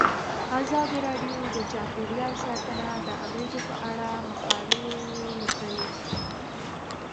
ازادي راډیو د چاپیریال ساتنه د اغیزو په اړه مقالو لیکلي.